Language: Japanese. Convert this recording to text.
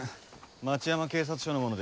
町山警察署の者です。